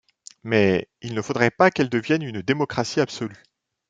Mais il ne faudrait pas qu'elle devienne une démocratie absolue.